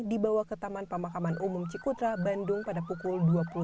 dibawa ke taman pemakaman umum cikutra bandung pada pukul dua puluh satu